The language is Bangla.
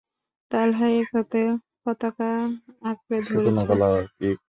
তালহা এক হাতে পতাকা আঁকড়ে ধরেছিল।